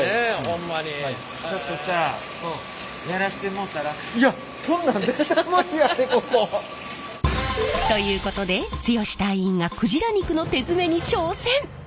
ちょっとさいやこんなん絶対無理やで。ということで剛隊員が鯨肉の手詰めに挑戦！